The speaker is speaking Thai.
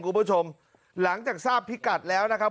คุณผู้ชมหลังจากทราบพิกัดแล้วนะครับ